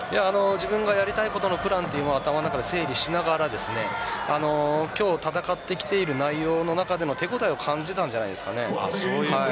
自分のやりたいことのプランを頭の中で整理しながら今日戦ってきている内容の中での手応えを感じていたと思います。